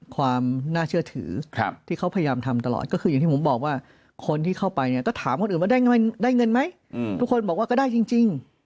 ความน่าเชื่อถือที่เขาพยายามทำตลอดก็คืออย่างที่ผมบอกว่าคนที่เข้าไปเนี่ยก็ถามคนอื่นว่าได้เงินไหมทุกคนบอกว่าก็ได้จริง